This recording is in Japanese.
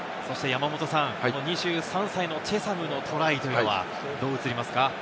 ２３歳のチェサムのトライというのはどう映りますか？